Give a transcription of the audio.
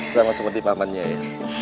sama seperti pamannya ya